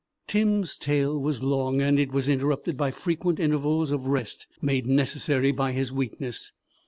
Tim's tale was long, and it was interrupted by frequent intervals of rest made necessary by his weakness.